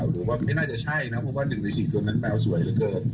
หรือว่าไม่น่าจะใช่นะเพราะว่า๑ใน๔ตัวนั้นแปลสวยเหลือเกิน